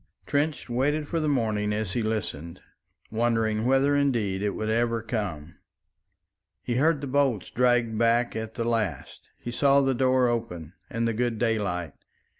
Trench waited for the morning as he listened, wondering whether indeed it would ever come. He heard the bolts dragged back at the last; he saw the door open and the good daylight.